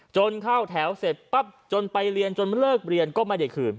เข้าแถวเสร็จปั๊บจนไปเรียนจนเลิกเรียนก็ไม่ได้คืน